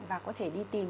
và có thể đi tìm